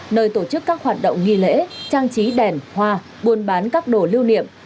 nơi tổ chức các hoạt động nghi lễ trang trí đèn hoa buôn bán các đồ lưu niệm